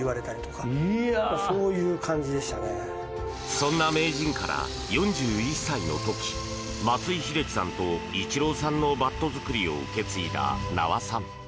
そんな名人から、４１歳の時松井秀喜さんとイチローさんのバット作りを受け継いだ名和さん。